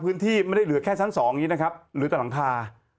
พื้นที่ไม่ได้เหลือแค่ชั้น๒อย่างนี้นะครับหรือแต่หลังคา